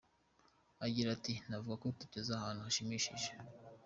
Agira ati “Navuga ko tugeze ahantu hashimishije.